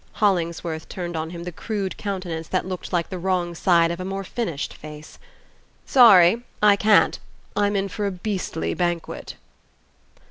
Hollingsworth turned on him the crude countenance that looked like the wrong side of a more finished face. "Sorry I can't. I'm in for a beastly banquet."